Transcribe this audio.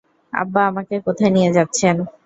আব্বা, আমাকে কোথায় নিয়ে যাচ্ছেন?